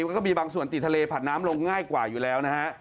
มันก็มีบางส่วนติดทะเลผัดน้ำลงง่ายกว่าอยู่แล้วนะฮะ